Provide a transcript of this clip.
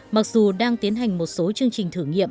mặc dù đang tiến hành một số chương trình thử nghiệm